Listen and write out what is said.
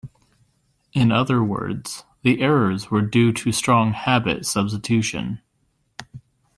In other words, the errors were due to strong habit substitution.